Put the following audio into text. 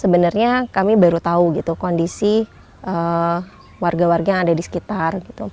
sebenarnya kami baru tahu gitu kondisi warga warga yang ada di sekitar